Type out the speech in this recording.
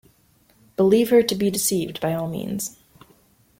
Believe her to be deceived, by all means.